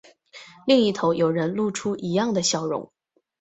另一头有人露出一样的笑容